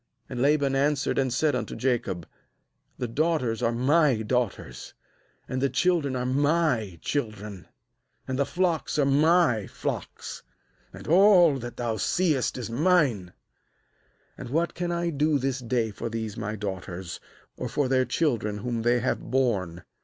^And Laban an swered and said unto Jacob: 'The daughters are my daughters, and the children are my children, and the flocks are my flocks, and all that thou seest is mine; and what can I do this day for these* my daughters, or for their children whom they have borne?